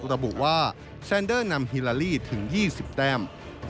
ระบุว่าแซนเดอร์นำฮิลาลีถึง๒๐แต้ม